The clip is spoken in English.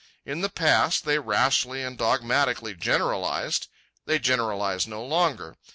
In the past they rashly and dogmatically generalized. They generalize no longer.